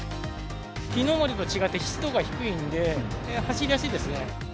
きのうまでと違って湿度が低いんで、走りやすいですね。